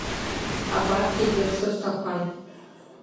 Абарҭгьы ӡырсырҭақәан…